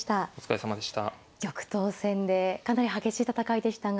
玉頭戦でかなり激しい戦いでしたが。